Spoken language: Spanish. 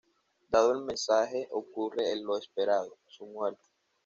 Dado el mensaje, ocurre lo esperado, su muerte.